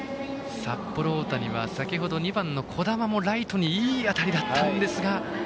札幌大谷は先ほど２番の樹神も、ライトにいい当たりでしたが。